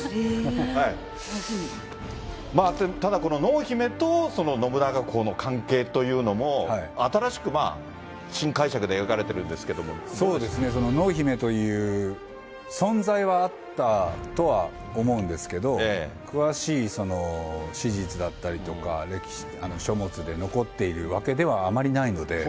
ただこの濃姫とその信長公の関係というのも、新しく新解釈でそうですね、濃姫という存在はあったとは思うんですけど、詳しい史実だったりとか、歴史、書物で残っているわけではあまりないので。